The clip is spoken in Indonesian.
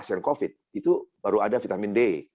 pasien covid itu baru ada vitamin d